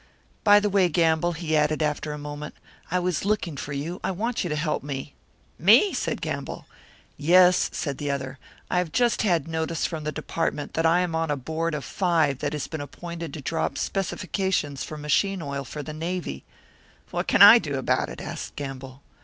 "By the way, Gamble," he added, after a moment, "I was looking for you. I want you to help me." "Me?" said Gamble. "Yes," said the other. "I have just had notice from the Department that I am one of a board of five that has been appointed to draw up specifications for machine oil for the Navy." "What can I do about it?" asked Gamble.